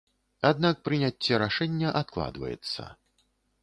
Аднак прыняцце рашэння адкладваецца.